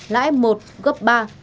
lãi một gấp ba